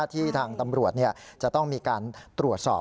ที่ทางตำรวจจะต้องมีการตรวจสอบ